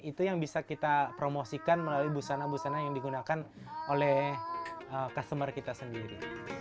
itu yang bisa kita promosikan melalui busana busana yang digunakan oleh customer kita sendiri